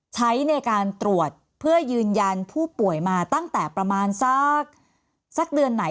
ใช้ในการตรวจเพื่อยืนยันผู้ป่วยมาตั้งแต่ประมาณสักเดือนไหน